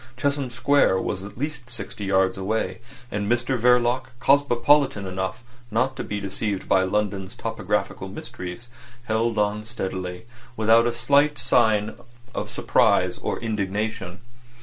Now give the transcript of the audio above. Chesham Square was at least sixty yards away, and Mr Verloc, cosmopolitan enough not to be deceived by London's topographical mysteries, held on steadily, without a sign of surprise or indignation.